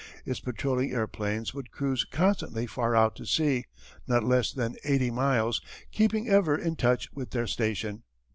Its patrolling airplanes would cruise constantly far out to sea, not less than eighty miles, keeping ever in touch with their station.